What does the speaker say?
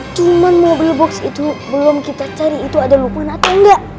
cuma mobil box itu belum kita cari itu ada lupuan atau enggak